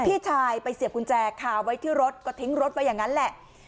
พี่ชายไปเสียบกุญแจคาไว้ที่รถก็ทิ้งรถไว้อย่างนั้นแหละ